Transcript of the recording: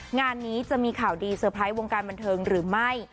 งานนี้จะมีข่าวดีเตอร์ไพรส์วงการบันเทิงหรือไม่